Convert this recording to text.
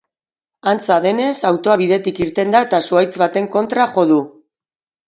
Antza denez, autoa bidetik irten da eta zuhaitz baten kontra jo du.